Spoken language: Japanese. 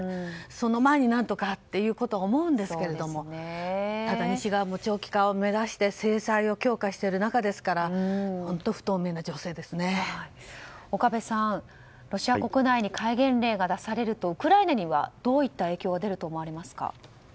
その前に何とかと思うんですけどただ西側も長期化を目指して制裁を強化している中なので岡部さん、ロシア国内に戒厳令が出されるとウクライナにはどういった影響が出ると思われますか。